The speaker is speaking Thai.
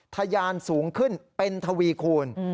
ทะยานสูงขึ้นเป็นทวีคูณ